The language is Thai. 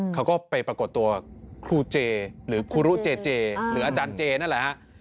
เขาก็ไปปรากฏตัวครูเจหรือครูรุเจเจหรืออาจารย์เจนั่นแหละฮะ